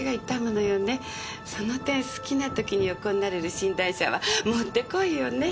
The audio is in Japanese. その点好きな時に横になれる寝台車はもってこいよね。